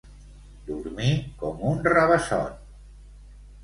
Dormir com un rabassot.